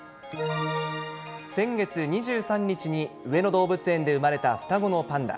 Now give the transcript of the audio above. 先月２３日に上野動物園で産まれた双子のパンダ。